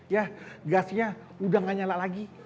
ya gasnya udah gak nyala lagi